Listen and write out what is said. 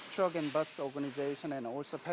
kedua duanya organisasi truk dan bus